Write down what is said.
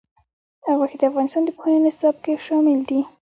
غوښې د افغانستان د پوهنې نصاب کې شامل دي.